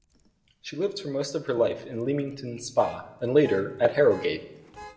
She lived for most of her life in Leamington Spa and later at Harrogate.